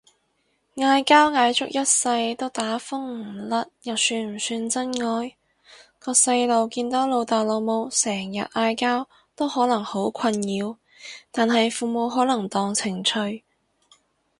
嗌交嗌足一世都打風唔甩又算唔算真愛？個細路見到老豆老母成日嗌交都可能好困擾，但係父母可能當情趣